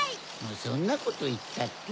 そんなこといったって。